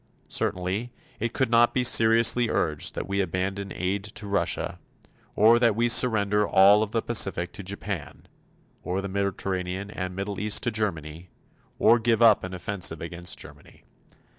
Certainly, it could not be seriously urged that we abandon aid to Russia, or that we surrender all of the Pacific to Japan, or the Mediterranean and Middle East to Germany, or give up an offensive against Germany.